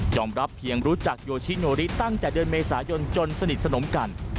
รับเพียงรู้จักโยชิโนริตั้งแต่เดือนเมษายนจนสนิทสนมกัน